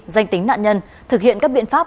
danh tính nạn nhân thực hiện các biện pháp